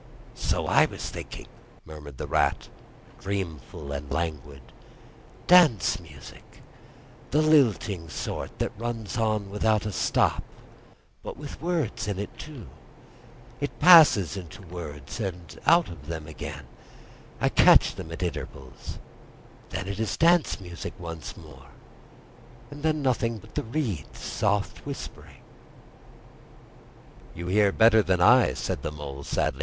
"So I was thinking," murmured the Rat, dreamful and languid. "Dance music—the lilting sort that runs on without a stop—but with words in it, too—it passes into words and out of them again—I catch them at intervals—then it is dance music once more, and then nothing but the reeds' soft thin whispering." "You hear better than I," said the Mole sadly.